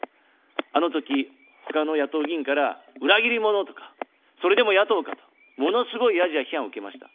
あのとき、ほかの野党議員から裏切り者とか、それでも野党かと、ものすごいヤジや批判を受けました。